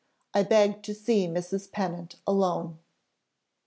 I beg to see Mrs. Pennant alone."